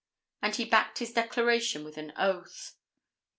And he backed his declaration with an oath.